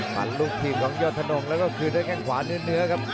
ฟันลูกทีมของยอดธนงแล้วก็คืนด้วยแข้งขวาเนื้อครับ